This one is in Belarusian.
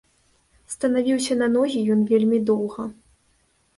Станавіўся на ногі ён вельмі доўга.